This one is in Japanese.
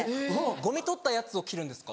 ゴミ取ったやつを着るんですか？